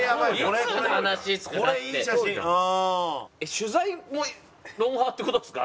取材も『ロンハー』って事ですか？